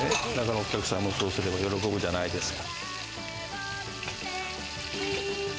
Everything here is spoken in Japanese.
お客さんもそうすれば喜ぶじゃないですか。